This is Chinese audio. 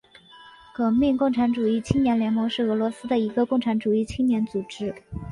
革命共产主义青年联盟是俄罗斯的一个共产主义青年组织。